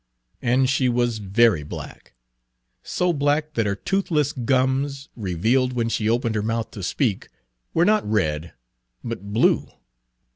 And she was very black, so black that her toothless gums, revealed when she opened her mouth to speak, were not red, but blue.